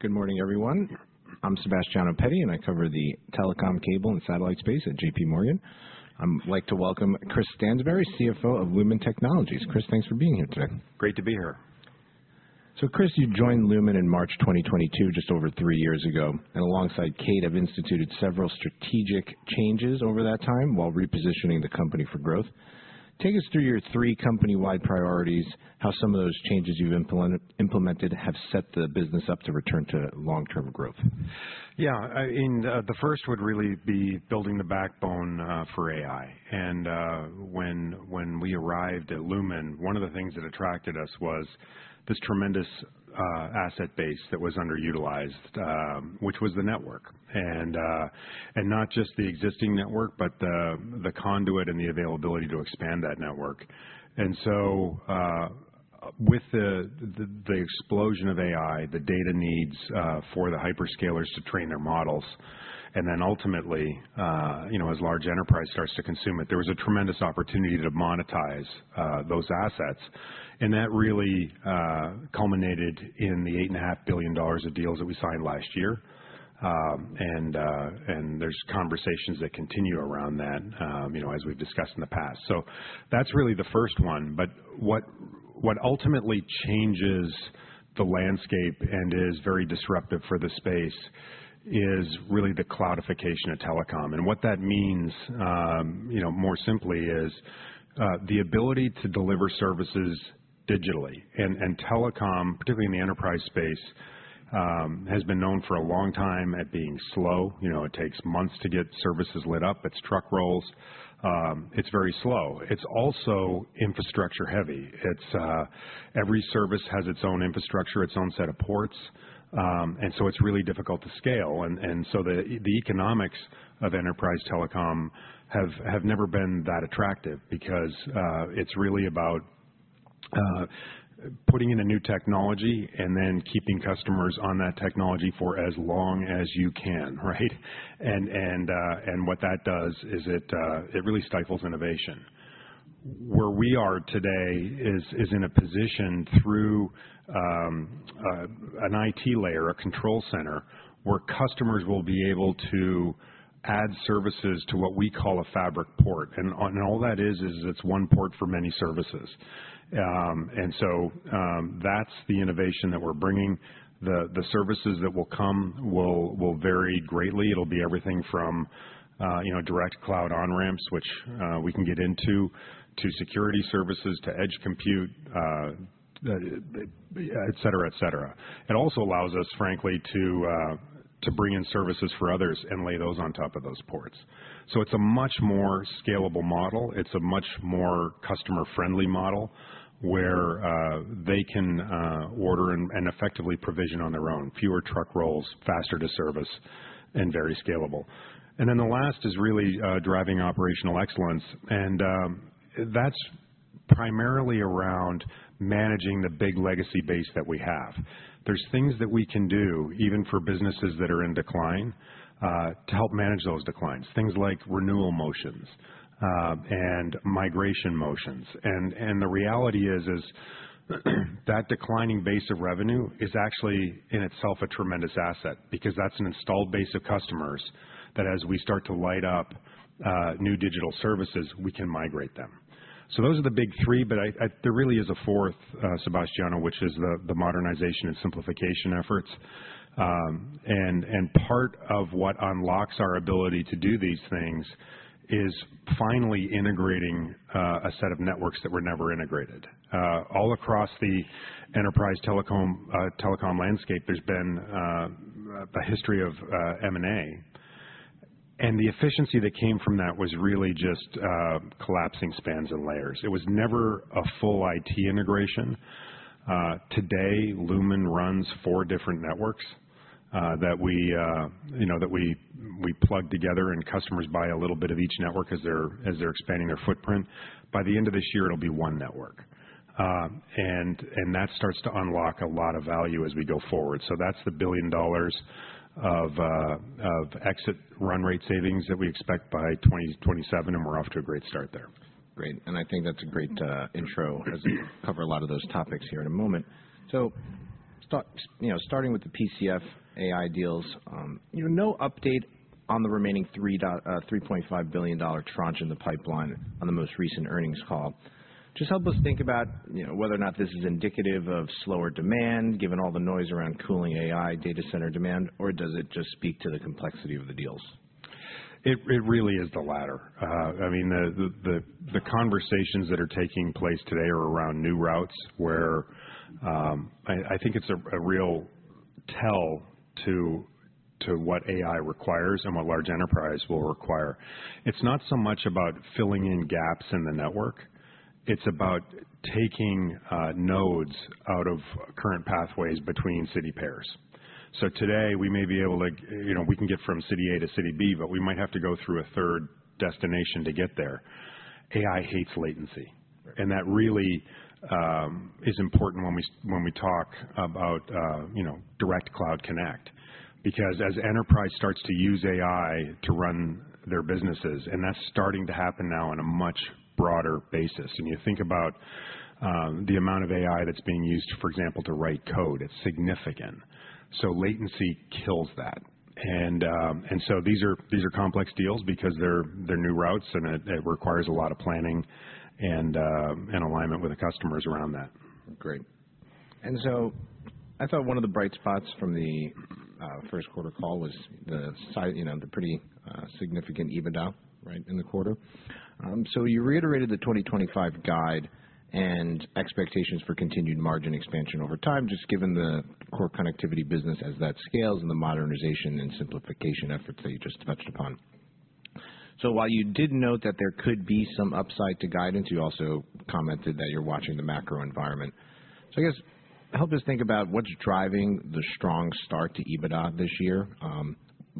Good morning, everyone. I'm Sebastiano Petty, and I cover the telecom, cable, and satellite space at JPMorgan. I'd like to welcome Chris Stansbury, CFO of Lumen Technologies. Chris, thanks for being here today. Great to be here. Chris, you joined Lumen in March 2022, just over three years ago, and alongside Kate, have instituted several strategic changes over that time while repositioning the company for growth. Take us through your three company-wide priorities, how some of those changes you've implemented have set the business up to return to long-term growth. Yeah, I mean, the first would really be building the backbone for AI. When we arrived at Lumen, one of the things that attracted us was this tremendous asset base that was underutilized, which was the network. Not just the existing network, but the conduit and the availability to expand that network. With the explosion of AI, the data needs for the hyperscalers to train their models, and then ultimately, as large enterprise starts to consume it, there was a tremendous opportunity to monetize those assets. That really culminated in the $8.5 billion of deals that we signed last year. There are conversations that continue around that, as we've discussed in the past. That's really the first one. What ultimately changes the landscape and is very disruptive for the space is really the cloudification of telecom. What that means, more simply, is the ability to deliver services digitally. Telecom, particularly in the enterprise space, has been known for a long time as being slow. It takes months to get services lit up. It is truck rolls. It is very slow. It is also infrastructure-heavy. Every service has its own infrastructure, its own set of ports. It is really difficult to scale. The economics of enterprise telecom have never been that attractive because it is really about putting in a new technology and then keeping customers on that technology for as long as you can, right? What that does is it really stifles innovation. Where we are today is in a position through an IT layer, a control center, where customers will be able to add services to what we call a fabric port. All that is, is it is one port for many services. That's the innovation that we're bringing. The services that will come will vary greatly. It'll be everything from direct cloud on-ramps, which we can get into, to security services, to edge compute, et cetera, et cetera. It also allows us, frankly, to bring in services for others and lay those on top of those ports. It's a much more scalable model. It's a much more customer-friendly model where they can order and effectively provision on their own. Fewer truck rolls, faster to service, and very scalable. The last is really driving operational excellence. That's primarily around managing the big legacy base that we have. There are things that we can do, even for businesses that are in decline, to help manage those declines. Things like renewal motions and migration motions. The reality is, is that declining base of revenue is actually in itself a tremendous asset because that's an installed base of customers that, as we start to light up new digital services, we can migrate them. Those are the big three. There really is a fourth, Sebastiano, which is the modernization and simplification efforts. Part of what unlocks our ability to do these things is finally integrating a set of networks that were never integrated. All across the enterprise telecom landscape, there's been a history of M&A. The efficiency that came from that was really just collapsing spans and layers. It was never a full IT integration. Today, Lumen runs four different networks that we plug together, and customers buy a little bit of each network as they're expanding their footprint. By the end of this year, it'll be one network. That starts to unlock a lot of value as we go forward. That is the $1 billion of exit run rate savings that we expect by 2027. We are off to a great start there. Great. I think that's a great intro. We'll cover a lot of those topics here in a moment. Starting with the PCF AI deals, no update on the remaining $3.5 billion tranche in the pipeline on the most recent earnings call. Just help us think about whether or not this is indicative of slower demand, given all the noise around cooling AI data center demand, or does it just speak to the complexity of the deals? It really is the latter. I mean, the conversations that are taking place today are around new routes, where I think it's a real tell to what AI requires and what large enterprise will require. It's not so much about filling in gaps in the network. It's about taking nodes out of current pathways between city pairs. Today, we may be able to, we can get from city A to city B, but we might have to go through a third destination to get there. AI hates latency. That really is important when we talk about direct cloud connect. As enterprise starts to use AI to run their businesses, and that's starting to happen now on a much broader basis. You think about the amount of AI that's being used, for example, to write code. It's significant. Latency kills that. These are complex deals because they're new routes, and it requires a lot of planning and alignment with the customers around that. Great. I thought one of the bright spots from the first quarter call was the pretty significant EBITDA in the quarter. You reiterated the 2025 guide and expectations for continued margin expansion over time, just given the core connectivity business as that scales and the modernization and simplification efforts that you just touched upon. While you did note that there could be some upside to guidance, you also commented that you're watching the macro environment. I guess help us think about what's driving the strong start to EBITDA this year.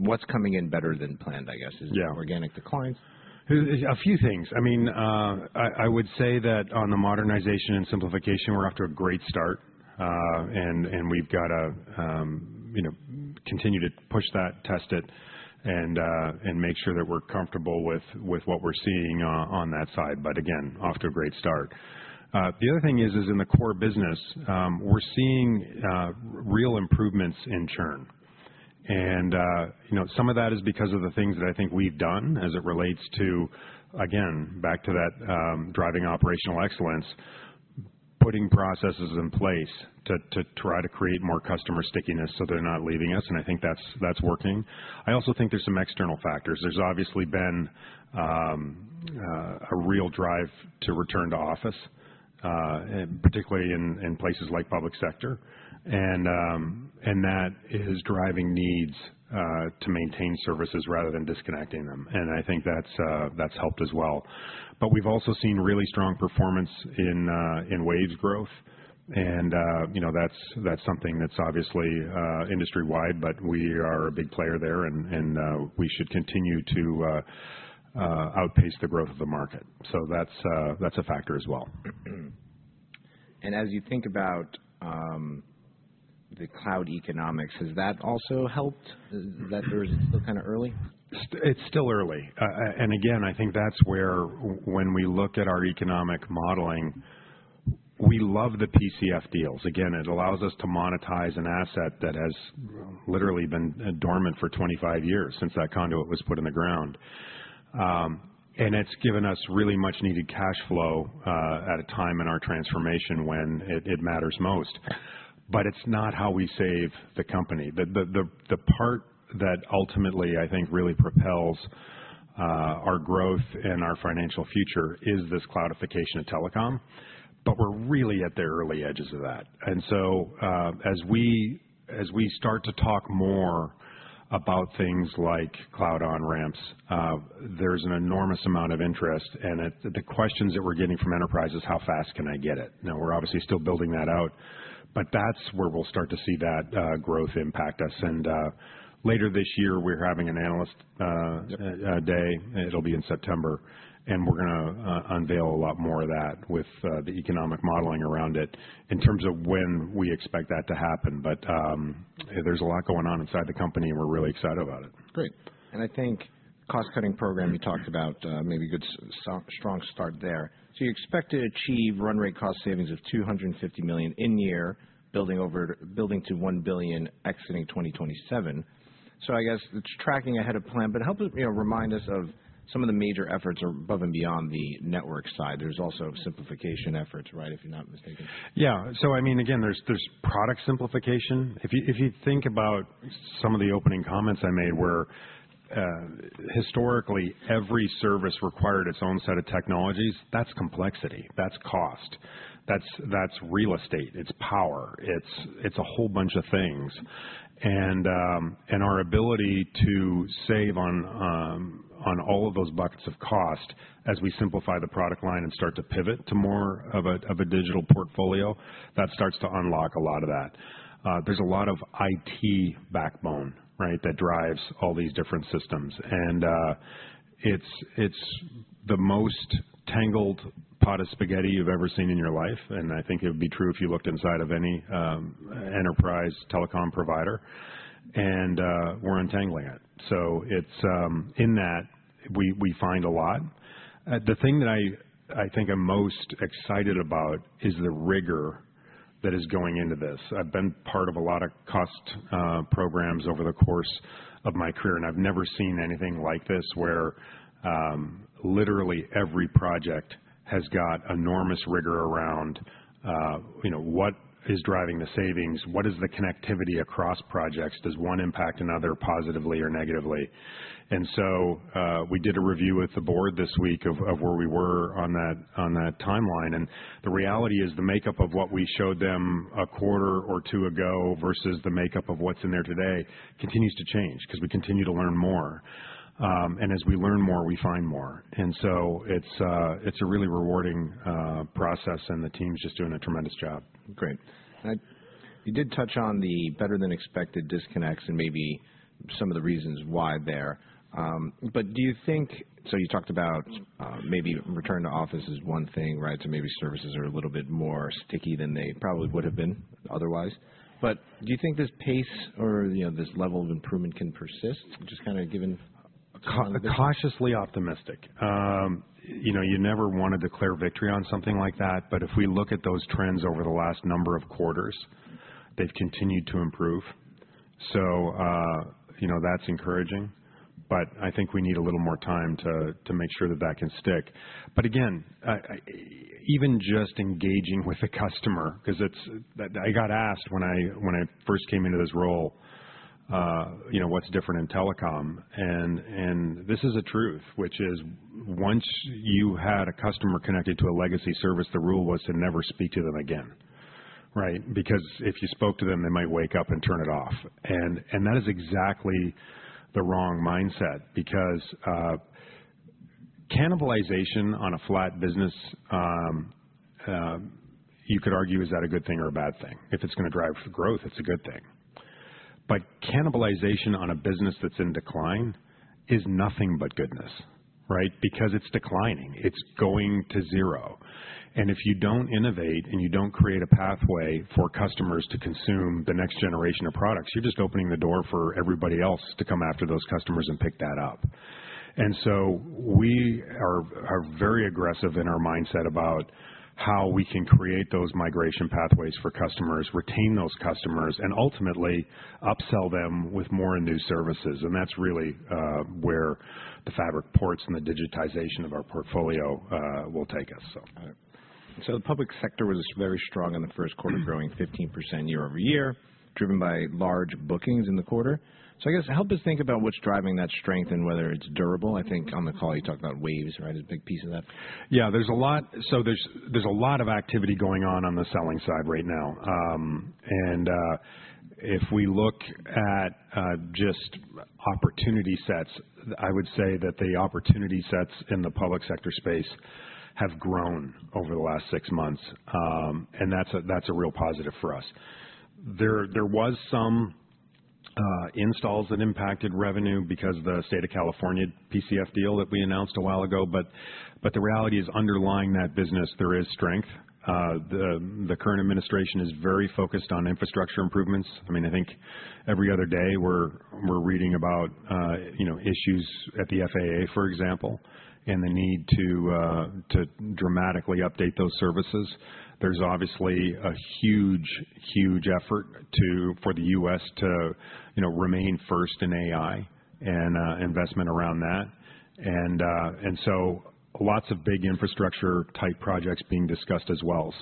What's coming in better than planned, I guess? Is it organic declines? A few things. I mean, I would say that on the modernization and simplification, we're off to a great start. We've got to continue to push that, test it, and make sure that we're comfortable with what we're seeing on that side. Again, off to a great start. The other thing is, in the core business, we're seeing real improvements in churn. Some of that is because of the things that I think we've done as it relates to, again, back to that driving operational excellence, putting processes in place to try to create more customer stickiness so they're not leaving us. I think that's working. I also think there's some external factors. There's obviously been a real drive to return to office, particularly in places like public sector. That is driving needs to maintain services rather than disconnecting them. I think that's helped as well. We have also seen really strong performance in wage growth. That's something that's obviously industry-wide, but we are a big player there. We should continue to outpace the growth of the market. That's a factor as well. As you think about the cloud economics, has that also helped? Is that kind of early? It's still early. Again, I think that's where, when we look at our economic modeling, we love the PCF deals. Again, it allows us to monetize an asset that has literally been dormant for 25 years since that conduit was put in the ground. It's given us really much-needed cash flow at a time in our transformation when it matters most. It's not how we save the company. The part that ultimately, I think, really propels our growth and our financial future is this cloudification of telecom. We're really at the early edges of that. As we start to talk more about things like cloud on-ramps, there's an enormous amount of interest. The questions that we're getting from enterprise is, how fast can I get it? We're obviously still building that out. That is where we will start to see that growth impact us. Later this year, we are having an analyst day. It will be in September. We are going to unveil a lot more of that with the economic modeling around it in terms of when we expect that to happen. There is a lot going on inside the company, and we are really excited about it. Great. I think cost-cutting program you talked about, maybe a good strong start there. You expect to achieve run rate cost savings of $250 million in-year, building to $1 billion exiting 2027. I guess it's tracking ahead of plan. Help remind us of some of the major efforts above and beyond the network side. There's also simplification efforts, right, if you're not mistaken? Yeah. I mean, again, there's product simplification. If you think about some of the opening comments I made, where historically every service required its own set of technologies, that's complexity. That's cost. That's real estate. It's power. It's a whole bunch of things. Our ability to save on all of those buckets of cost as we simplify the product line and start to pivot to more of a digital portfolio, that starts to unlock a lot of that. There's a lot of IT backbone that drives all these different systems. It's the most tangled pot of spaghetti you've ever seen in your life. I think it would be true if you looked inside of any enterprise telecom provider. We're untangling it. In that, we find a lot. The thing that I think I'm most excited about is the rigor that is going into this. I've been part of a lot of cost programs over the course of my career. I've never seen anything like this, where literally every project has got enormous rigor around what is driving the savings, what is the connectivity across projects, does one impact another positively or negatively. We did a review with the board this week of where we were on that timeline. The reality is the makeup of what we showed them a quarter or two ago versus the makeup of what's in there today continues to change because we continue to learn more. As we learn more, we find more. It's a really rewarding process. The team's just doing a tremendous job. Great. You did touch on the better-than-expected disconnects and maybe some of the reasons why there. Do you think, you talked about maybe return to office is one thing, right? Maybe services are a little bit more sticky than they probably would have been otherwise. Do you think this pace or this level of improvement can persist? Just kind of given. Cautiously optimistic. You never want to declare victory on something like that. If we look at those trends over the last number of quarters, they've continued to improve. That's encouraging. I think we need a little more time to make sure that that can stick. Again, even just engaging with a customer, because I got asked when I first came into this role, what's different in telecom? This is a truth, which is once you had a customer connected to a legacy service, the rule was to never speak to them again. If you spoke to them, they might wake up and turn it off. That is exactly the wrong mindset. Cannibalization on a flat business, you could argue, is that a good thing or a bad thing? If it's going to drive growth, it's a good thing. Cannibalization on a business that's in decline is nothing but goodness. Because it's declining. It's going to zero. If you don't innovate and you don't create a pathway for customers to consume the next generation of products, you're just opening the door for everybody else to come after those customers and pick that up. We are very aggressive in our mindset about how we can create those migration pathways for customers, retain those customers, and ultimately upsell them with more new services. That's really where the fabric ports and the digitization of our portfolio will take us. The public sector was very strong in the first quarter, growing 15% year-over-year, driven by large bookings in the quarter. I guess help us think about what's driving that strength and whether it's durable. I think on the call, you talked about waves, right? A big piece of that. Yeah. There is a lot of activity going on on the selling side right now. If we look at just opportunity sets, I would say that the opportunity sets in the public sector space have grown over the last six months. That is a real positive for us. There were some installs that impacted revenue because of the state of California PCF deal that we announced a while ago. The reality is underlying that business, there is strength. The current administration is very focused on infrastructure improvements. I mean, I think every other day we are reading about issues at the FAA, for example, and the need to dramatically update those services. There is obviously a huge, huge effort for the U.S. to remain first in AI and investment around that. Lots of big infrastructure-type projects are being discussed as well.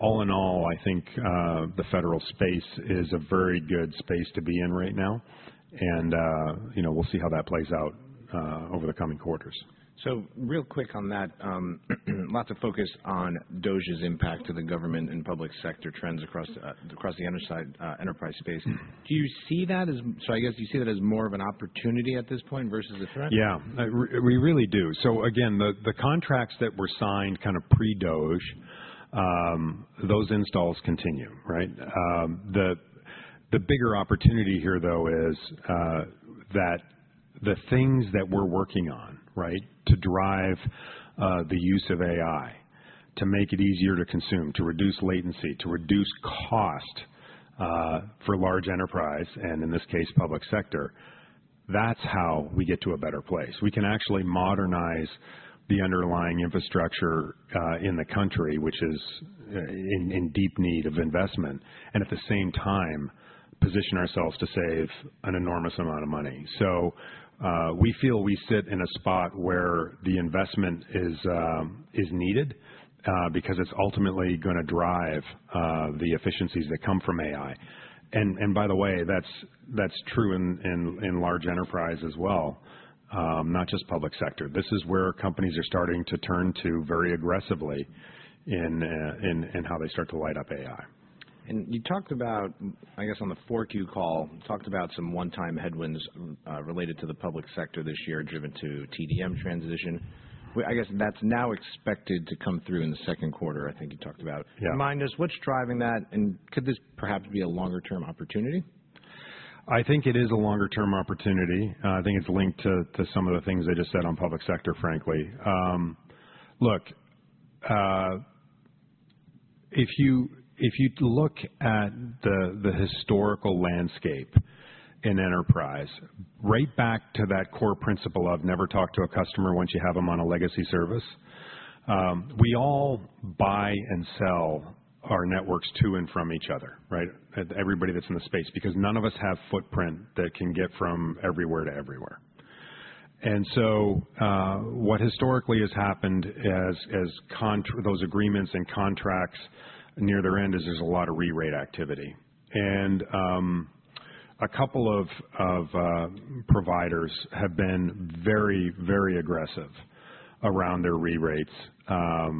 All in all, I think the federal space is a very good space to be in right now. We'll see how that plays out over the coming quarters. Real quick on that, lots of focus on DOGE's impact to the government and public sector trends across the underside enterprise space. Do you see that as, so I guess you see that as more of an opportunity at this point versus a threat? Yeah. We really do. Again, the contracts that were signed kind of pre-DOGE, those installs continue. The bigger opportunity here, though, is that the things that we're working on to drive the use of AI, to make it easier to consume, to reduce latency, to reduce cost for large enterprise, and in this case, public sector, that's how we get to a better place. We can actually modernize the underlying infrastructure in the country, which is in deep need of investment, and at the same time, position ourselves to save an enormous amount of money. We feel we sit in a spot where the investment is needed because it's ultimately going to drive the efficiencies that come from AI. By the way, that's true in large enterprise as well, not just public sector. This is where companies are starting to turn to very aggressively in how they start to light up AI. You talked about, I guess on the forecast call, talked about some one-time headwinds related to the public sector this year driven to TDM transition. I guess that's now expected to come through in the second quarter, I think you talked about. Remind us, what's driving that? And could this perhaps be a longer-term opportunity? I think it is a longer-term opportunity. I think it's linked to some of the things I just said on public sector, frankly. Look, if you look at the historical landscape in enterprise, right back to that core principle of never talk to a customer once you have them on a legacy service, we all buy and sell our networks to and from each other, everybody that's in the space, because none of us have footprint that can get from everywhere to everywhere. What historically has happened as those agreements and contracts near their end is there's a lot of re-rate activity. A couple of providers have been very, very aggressive around their re-rates to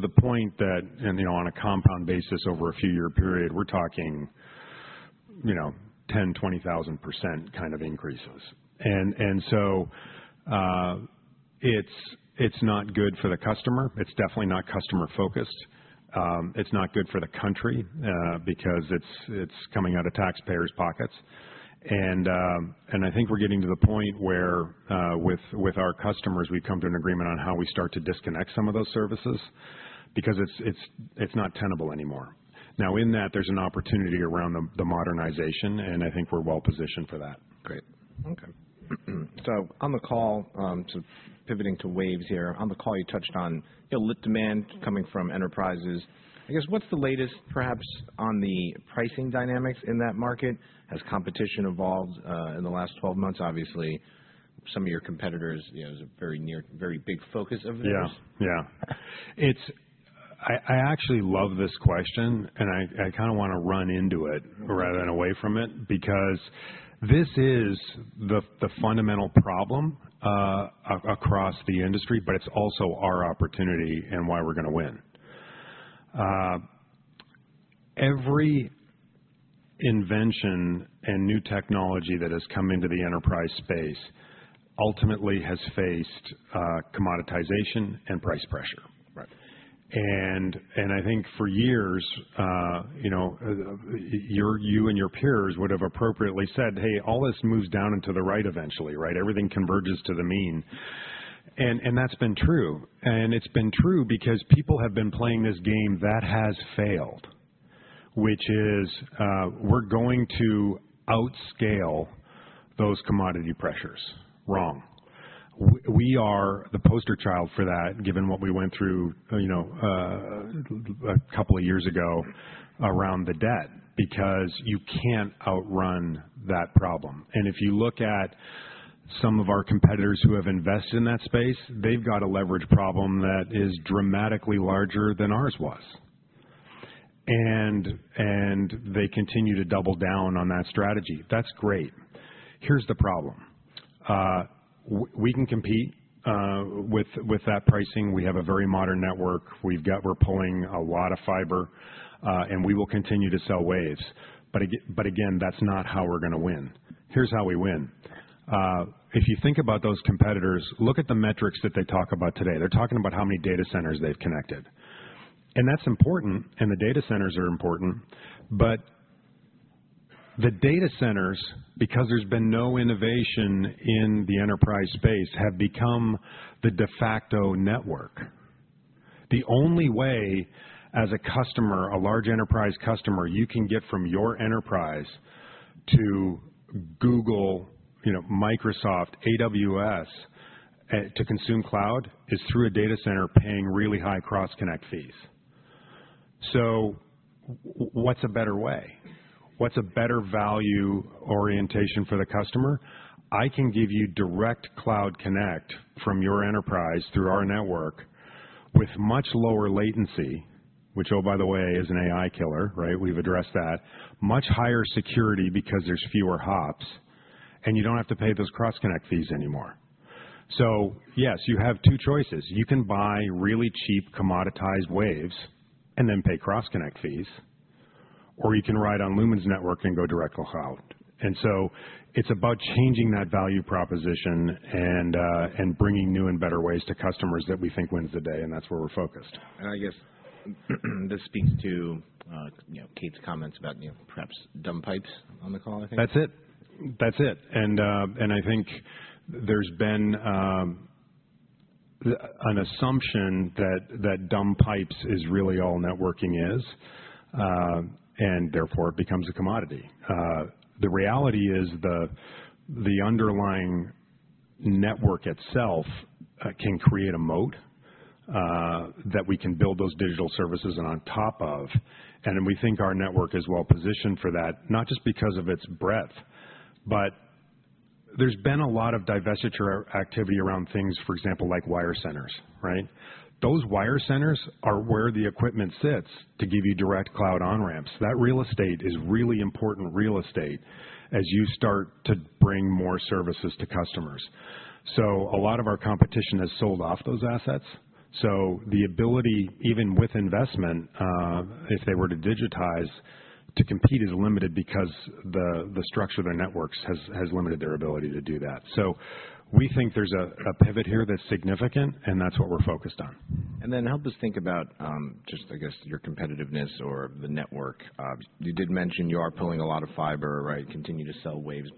the point that, on a compound basis over a few-year period, we're talking 10,000-20,000% kind of increases. It's not good for the customer. It's definitely not customer-focused. It's not good for the country because it's coming out of taxpayers' pockets. I think we're getting to the point where with our customers, we've come to an agreement on how we start to disconnect some of those services because it's not tenable anymore. In that, there's an opportunity around the modernization. I think we're well-positioned for that. Great. Okay. On the call, sort of pivoting to waves here, on the call, you touched on lit demand coming from enterprises. I guess what's the latest, perhaps, on the pricing dynamics in that market? Has competition evolved in the last 12 months? Obviously, some of your competitors is a very big focus of this. Yeah. Yeah. I actually love this question. I kind of want to run into it rather than away from it because this is the fundamental problem across the industry, but it's also our opportunity and why we're going to win. Every invention and new technology that has come into the enterprise space ultimately has faced commoditization and price pressure. I think for years, you and your peers would have appropriately said, hey, all this moves down into the right eventually. Everything converges to the mean. That's been true. It's been true because people have been playing this game that has failed, which is we're going to outscale those commodity pressures. Wrong. We are the poster child for that, given what we went through a couple of years ago around the debt because you can't outrun that problem. If you look at some of our competitors who have invested in that space, they've got a leverage problem that is dramatically larger than ours was. They continue to double down on that strategy. That's great. Here's the problem. We can compete with that pricing. We have a very modern network. We're pulling a lot of fiber. We will continue to sell waves. Again, that's not how we're going to win. Here's how we win. If you think about those competitors, look at the metrics that they talk about today. They're talking about how many data centers they've connected. That's important. The data centers are important. The data centers, because there's been no innovation in the enterprise space, have become the de facto network. The only way, as a customer, a large enterprise customer, you can get from your enterprise to Google, Microsoft, AWS, to consume cloud is through a data center paying really high cross-connect fees. What is a better way? What is a better value orientation for the customer? I can give you direct cloud connect from your enterprise through our network with much lower latency, which, oh, by the way, is an AI killer. We have addressed that. Much higher security because there are fewer hops. And you do not have to pay those cross-connect fees anymore. Yes, you have two choices. You can buy really cheap commoditized waves and then pay cross-connect fees. Or you can ride on Lumen's network and go direct cloud. It is about changing that value proposition and bringing new and better ways to customers that we think wins the day. That is where we are focused. I guess this speaks to Kate's comments about perhaps dumb pipes on the call, I think. That's it? That's it. I think there's been an assumption that dumb pipes is really all networking is. Therefore, it becomes a commodity. The reality is the underlying network itself can create a moat that we can build those digital services on top of. We think our network is well-positioned for that, not just because of its breadth, but there's been a lot of divestiture activity around things, for example, like wire centers. Those wire centers are where the equipment sits to give you direct cloud on-ramps. That real estate is really important real estate as you start to bring more services to customers. A lot of our competition has sold off those assets. The ability, even with investment, if they were to digitize, to compete is limited because the structure of their networks has limited their ability to do that. We think there's a pivot here that's significant. That's what we're focused on. Help us think about just, I guess, your competitiveness or the network. You did mention you are pulling a lot of fiber, continue to sell waves.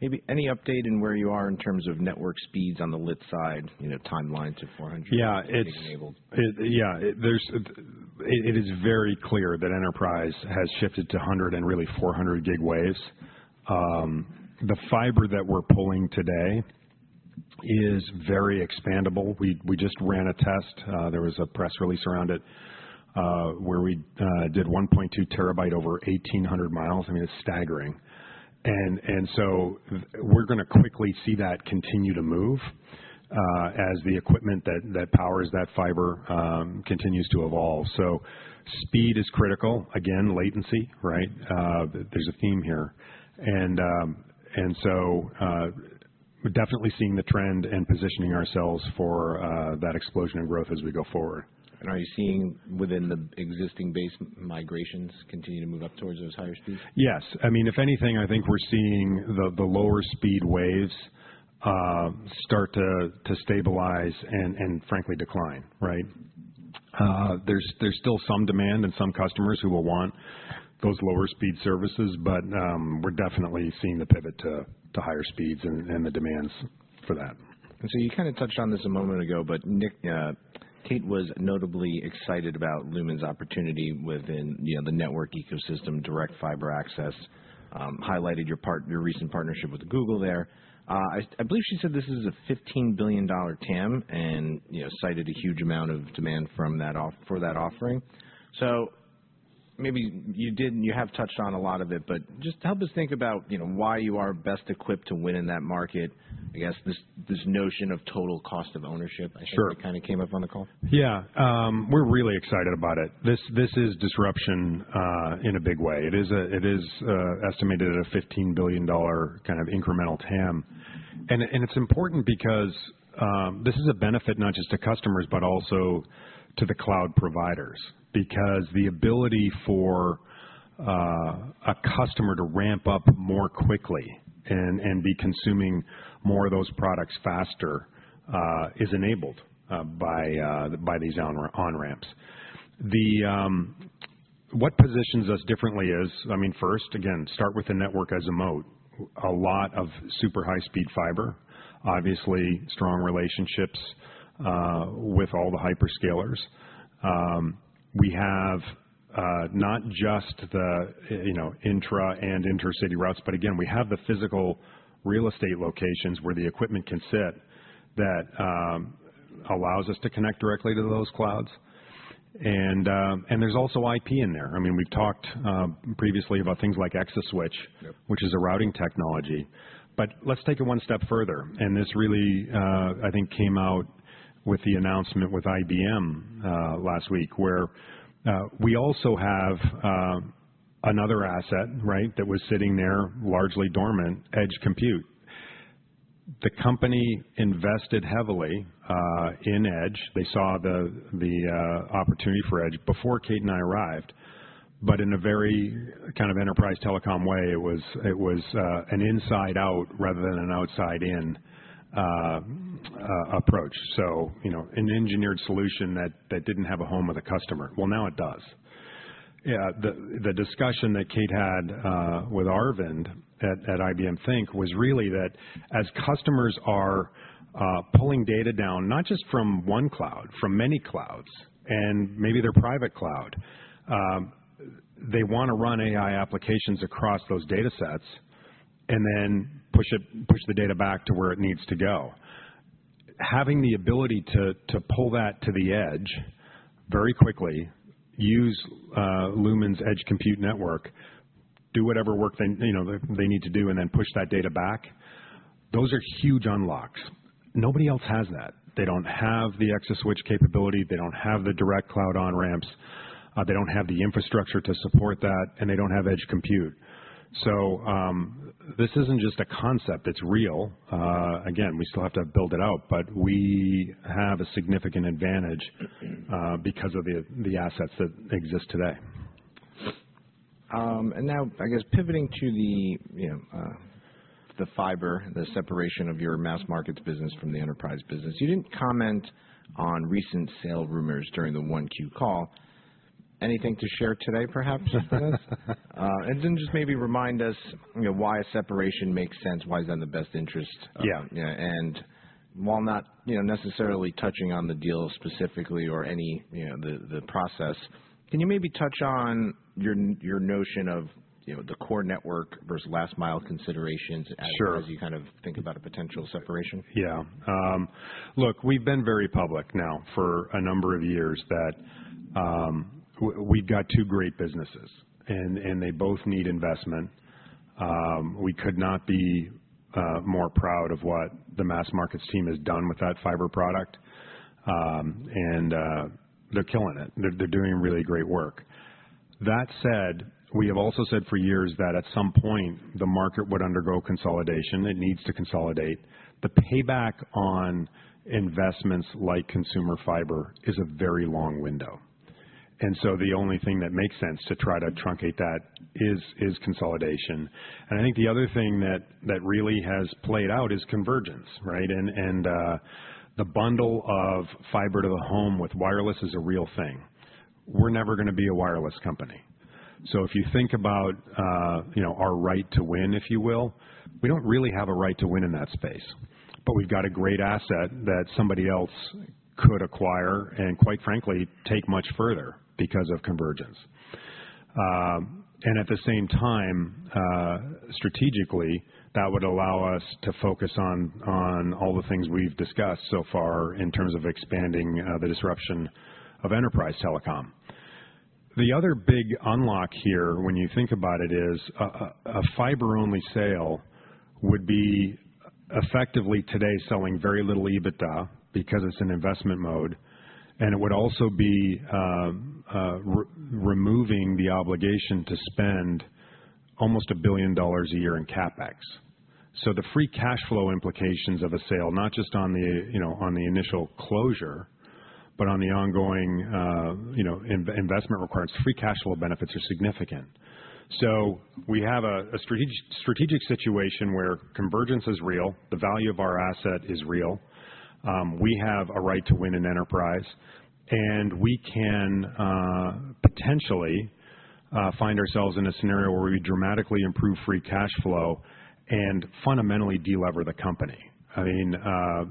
Maybe any update in where you are in terms of network speeds on the lit side, timeline to 400? Yeah. It is very clear that enterprise has shifted to 100 and really 400 gig waves. The fiber that we're pulling today is very expandable. We just ran a test. There was a press release around it where we did 1.2 TB over 1,800 mi. I mean, it's staggering. We are going to quickly see that continue to move as the equipment that powers that fiber continues to evolve. Speed is critical. Again, latency. There is a theme here. We are definitely seeing the trend and positioning ourselves for that explosion in growth as we go forward. Are you seeing within the existing base migrations continue to move up towards those higher speeds? Yes. I mean, if anything, I think we're seeing the lower speed waves start to stabilize and, frankly, decline. There's still some demand and some customers who will want those lower speed services. We're definitely seeing the pivot to higher speeds and the demands for that. You kind of touched on this a moment ago. Kate was notably excited about Lumen's opportunity within the network ecosystem, direct fiber access, highlighted your recent partnership with Google there. I believe she said this is a $15 billion TAM and cited a huge amount of demand for that offering. Maybe you have touched on a lot of it. Just help us think about why you are best equipped to win in that market, I guess, this notion of total cost of ownership. I think it kind of came up on the call. Yeah. We're really excited about it. This is disruption in a big way. It is estimated at a $15 billion kind of incremental TAM. It is important because this is a benefit not just to customers, but also to the cloud providers because the ability for a customer to ramp up more quickly and be consuming more of those products faster is enabled by these on-ramps. What positions us differently is, I mean, first, again, start with the network as a moat. A lot of super high-speed fiber, obviously, strong relationships with all the hyperscalers. We have not just the intra and intercity routes. Again, we have the physical real estate locations where the equipment can sit that allows us to connect directly to those clouds. There is also IP in there. I mean, we've talked previously about things like ExaSwitch, which is a routing technology. Let's take it one step further. This really, I think, came out with the announcement with IBM last week where we also have another asset that was sitting there largely dormant, Edge Compute. The company invested heavily in Edge. They saw the opportunity for Edge before Kate and I arrived. In a very kind of enterprise telecom way, it was an inside-out rather than an outside-in approach, so an engineered solution that did not have a home of the customer. Now it does. The discussion that Kate had with Arvind at IBM Think was really that as customers are pulling data down, not just from one cloud, from many clouds and maybe their private cloud, they want to run AI applications across those data sets and then push the data back to where it needs to go. Having the ability to pull that to the edge very quickly, use Lumen's Edge Compute network, do whatever work they need to do, and then push that data back, those are huge unlocks. Nobody else has that. They do not have the ExaSwitch capability. They do not have the direct cloud on-ramps. They do not have the infrastructure to support that. They do not have Edge Compute. This is not just a concept. It is real. Again, we still have to build it out. We have a significant advantage because of the assets that exist today. Now, I guess, pivoting to the fiber, the separation of your mass markets business from the enterprise business, you did not comment on recent sale rumors during the 1Q call. Anything to share today, perhaps, with us? Maybe remind us why a separation makes sense, why is that in the best interest. While not necessarily touching on the deal specifically or the process, can you maybe touch on your notion of the core network versus last-mile considerations as you kind of think about a potential separation? Yeah. Look, we've been very public now for a number of years that we've got two great businesses. And they both need investment. We could not be more proud of what the mass markets team has done with that fiber product. And they're killing it. They're doing really great work. That said, we have also said for years that at some point, the market would undergo consolidation. It needs to consolidate. The payback on investments like consumer fiber is a very long window. The only thing that makes sense to try to truncate that is consolidation. I think the other thing that really has played out is convergence. The bundle of fiber to the home with wireless is a real thing. We're never going to be a wireless company. If you think about our right to win, if you will, we do not really have a right to win in that space. We have got a great asset that somebody else could acquire and, quite frankly, take much further because of convergence. At the same time, strategically, that would allow us to focus on all the things we have discussed so far in terms of expanding the disruption of enterprise telecom. The other big unlock here, when you think about it, is a fiber-only sale would be effectively today selling very little EBITDA because it is an investment mode. It would also be removing the obligation to spend almost $1 billion a year in CapEx. The free cash flow implications of a sale, not just on the initial closure, but on the ongoing investment requirements, free cash flow benefits are significant. We have a strategic situation where convergence is real. The value of our asset is real. We have a right to win in enterprise. We can potentially find ourselves in a scenario where we dramatically improve free cash flow and fundamentally delever the company. I mean,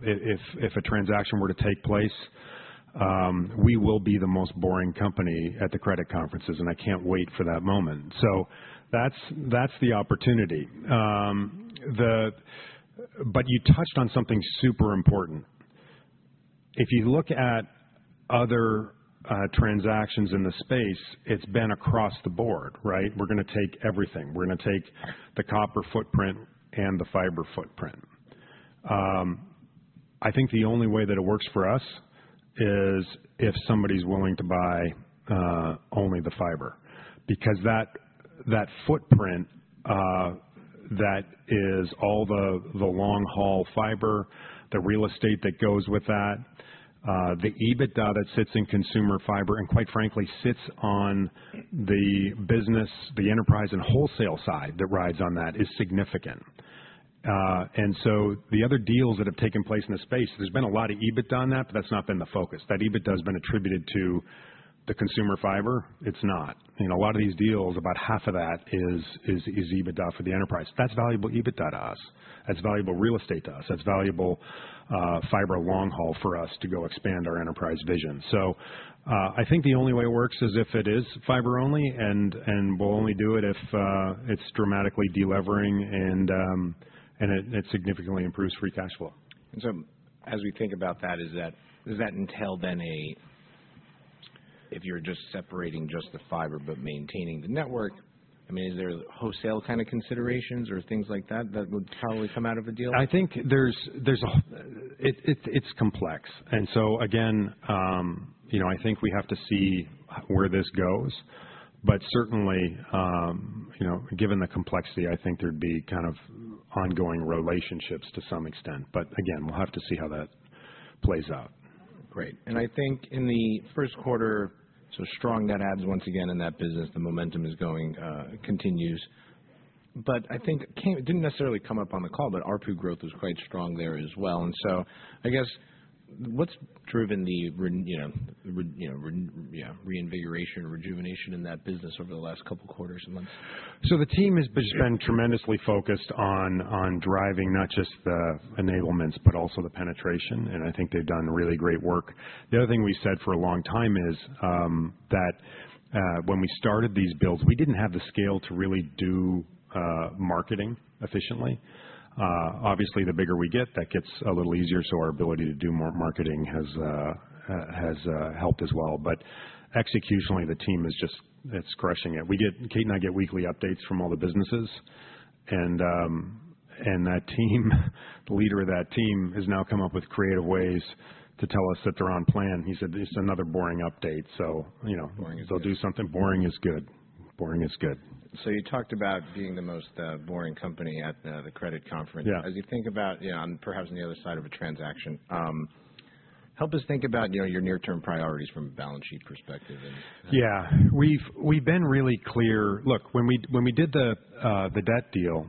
if a transaction were to take place, we will be the most boring company at the credit conferences. I cannot wait for that moment. That is the opportunity. You touched on something super important. If you look at other transactions in the space, it has been across the board. We are going to take everything. We are going to take the copper footprint and the fiber footprint. I think the only way that it works for us is if somebody's willing to buy only the fiber because that footprint that is all the long-haul fiber, the real estate that goes with that, the EBITDA that sits in consumer fiber, and quite frankly, sits on the business, the enterprise and wholesale side that rides on that is significant. The other deals that have taken place in the space, there's been a lot of EBITDA on that. That's not been the focus. That EBITDA has been attributed to the consumer fiber. It's not. In a lot of these deals, about half of that is EBITDA for the enterprise. That's valuable EBITDA to us. That's valuable real estate to us. That's valuable fiber long-haul for us to go expand our enterprise vision. I think the only way it works is if it is fiber-only and we'll only do it if it's dramatically delivering and it significantly improves free cash flow. As we think about that, does that entail then a, if you're just separating just the fiber but maintaining the network, I mean, is there wholesale kind of considerations or things like that that would probably come out of a deal? I think it's complex. Again, I think we have to see where this goes. Certainly, given the complexity, I think there'd be kind of ongoing relationships to some extent. Again, we'll have to see how that plays out. Great. I think in the first quarter, strong net adds once again in that business. The momentum is going, continues. I think it did not necessarily come up on the call. ARPU growth was quite strong there as well. I guess what has driven the reinvigoration, rejuvenation in that business over the last couple of quarters and months? The team has been tremendously focused on driving not just the enablements, but also the penetration. I think they've done really great work. The other thing we said for a long time is that when we started these builds, we did not have the scale to really do marketing efficiently. Obviously, the bigger we get, that gets a little easier. Our ability to do more marketing has helped as well. Executionally, the team is just crushing it. Kate and I get weekly updates from all the businesses. That team, the leader of that team, has now come up with creative ways to tell us that they're on plan. He said, "It's another boring update." They will do something. Boring is good. Boring is good. You talked about being the most boring company at the credit conference. As you think about, perhaps, on the other side of a transaction, help us think about your near-term priorities from a balance sheet perspective. Yeah. We've been really clear. Look, when we did the debt deal,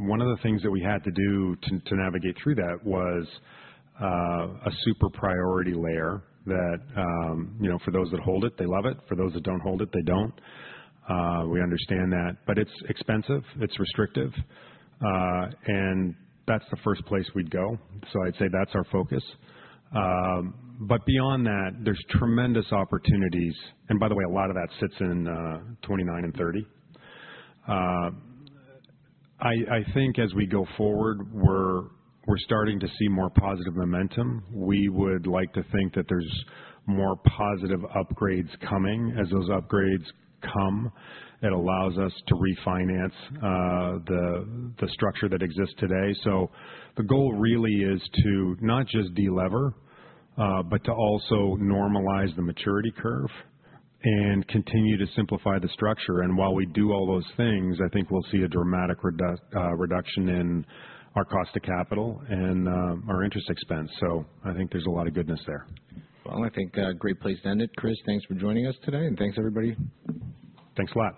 one of the things that we had to do to navigate through that was a super priority layer that for those that hold it, they love it. For those that don't hold it, they don't. We understand that. It is expensive. It is restrictive. That is the first place we'd go. I'd say that is our focus. Beyond that, there are tremendous opportunities. By the way, a lot of that sits in 2029 and 2030. I think as we go forward, we're starting to see more positive momentum. We would like to think that there are more positive upgrades coming. As those upgrades come, it allows us to refinance the structure that exists today. The goal really is to not just delever, but to also normalize the maturity curve and continue to simplify the structure. While we do all those things, I think we'll see a dramatic reduction in our cost of capital and our interest expense. I think there's a lot of goodness there. I think a great place to end it. Chris, thanks for joining us today. Thanks, everybody. Thanks a lot.